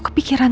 see you again